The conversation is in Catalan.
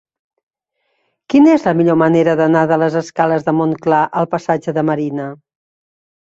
Quina és la millor manera d'anar de les escales de Montclar al passatge de la Marina?